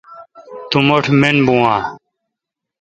تو مٹھ مین بھو اؘ۔